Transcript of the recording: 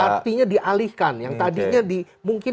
artinya dialihkan yang tadinya dimungkinkan